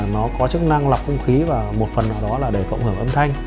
nó có chức năng lọc không khí và một phần nào đó là để cộng hưởng âm thanh